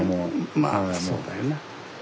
まあそうだよな。